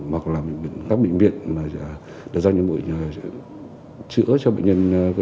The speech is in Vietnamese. hoặc là các bệnh viện đã do những bụi chữa cho bệnh nhân